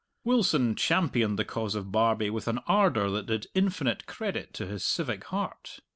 Wilson championed the cause of Barbie with an ardour that did infinite credit to his civic heart.